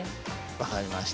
分かりました。